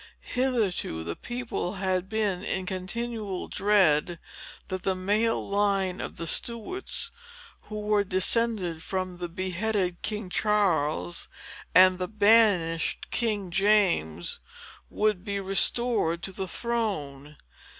Hitherto, the people had been in continual dread that the male line of the Stuarts, who were descended from the beheaded King Charles and the banished King James, would be restored to the throne.